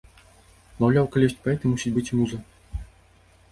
Маўляў, калі ёсць паэты, мусіць быць і муза.